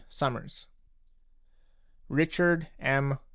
Summers. RlCHARD M.